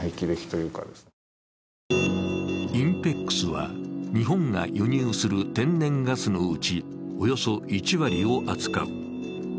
ＩＮＰＥＸは日本が輸入する天然ガスのうち、およそ１割を扱う。